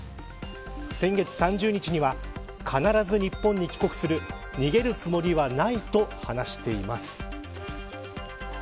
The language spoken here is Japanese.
先月３０日には必ず日本に帰国する逃げるつもりはないと話しています。